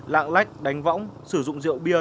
lạng lách đánh võng sử dụng rượu bia